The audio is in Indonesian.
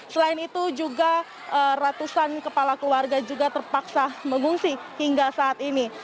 selain itu juga ratusan kepala keluarga juga terpaksa mengungsi hingga saat ini